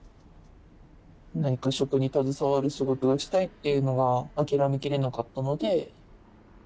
何か食に携わる仕事がしたいっていうのが諦めきれなかったので。